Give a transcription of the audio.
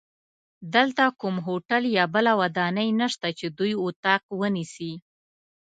دلته کوم هوټل یا بله ودانۍ نشته چې دوی اتاق ونیسي.